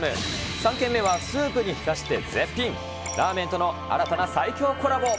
３軒目はスープに浸して絶品、ラーメンとの新たな最強コラボ。